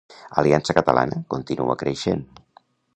Aliança Catalana continua creixent.